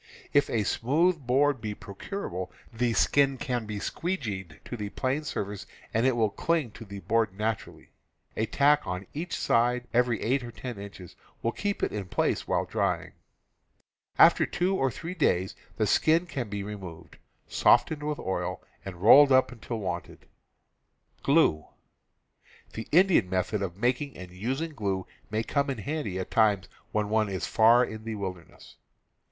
If a smooth e board be procurable, the skin can be "squee geed" to the planed surface and it will cling to the board naturally. A tack on each side every eight or ten inches will keep it in place while drying. After two or three days the skin can be re moved, softened with oil, and rolled up until wanted. The Indian method of making and using glue may come in handy at times when one is far in the wilder ness.